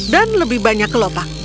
dan lebih banyak kelopak